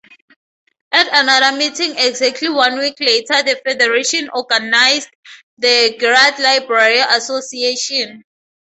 At another meeting exactly one week later the Federation organized the Girard Library Association.